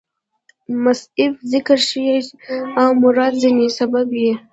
مسبب ذکر شي او مراد ځني سبب يي.